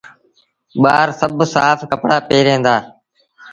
ٻآر سڀ سآڦ ڪپڙآ پهري ائيٚݩ دآ۔